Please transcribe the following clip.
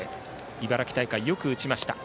茨城大会でよく打ちました。